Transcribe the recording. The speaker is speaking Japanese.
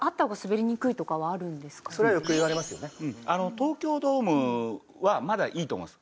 東京ドームはまだいいと思います。